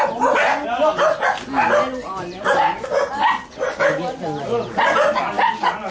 รู้สึกว่าเธออยู่ที่ภาคหรือข้างล่าง